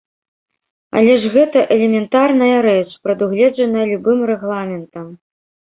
Але ж гэта элементарная рэч, прадугледжаная любым рэгламентам.